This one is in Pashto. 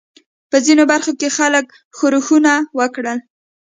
په ځینو برخو کې خلکو ښورښونه وکړل.